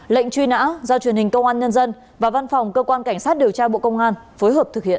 lệnh truy nã do truyền hình công an nhân dân và văn phòng cơ quan cảnh sát điều tra bộ công an phối hợp thực hiện